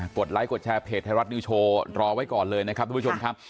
ดไลค์กดแชร์เพจไทยรัฐนิวโชว์รอไว้ก่อนเลยนะครับทุกผู้ชมครับ